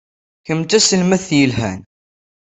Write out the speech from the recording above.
Kemm d taselmadt yelhan.